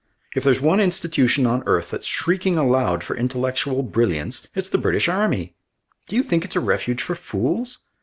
If there's one institution on earth that's shrieking aloud for intellectual brilliance, it's the British Army! Do you think it's a refuge for fools?